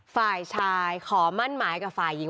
ฝ่ายชายขอมั่นหมายกับฝ่ายหญิง